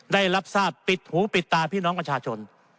ได้รับทราบปิดหูปิดตาพี่น้องประชาชน